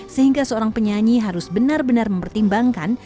sehingga seorang penyanyi harus benar benar mempertimbangkan